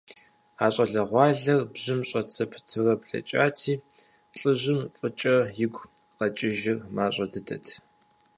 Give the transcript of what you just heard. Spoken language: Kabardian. И щӀалэгъуэр бжьым щӀэт зэпытурэ блэкӀати, лӀыжьым фӀыкӀэ игу къэкӀыжыр мащӀэ дыдэт.